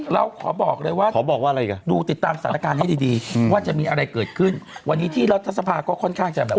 เราขอบอกเลยว่าขอบอกว่าดูติดตามสถานการณ์ให้ดีดีว่าจะมีอะไรเกิดขึ้นวันนี้ที่รัฐสภาก็ค่อนข้างจะแบบ